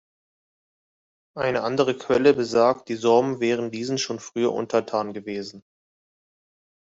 Eine andere Quelle besagt, die Sorben wären diesen schon früher untertan gewesen.